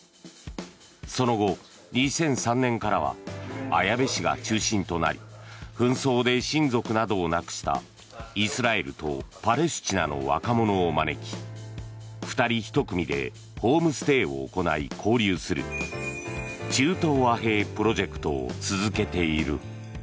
その後、２００３年からは綾部市が中心となり紛争で親族などを亡くしたイスラエルとパレスチナの若者を招き２人１組でホームステイを行い交流する中東和平プロジェクトを続けている。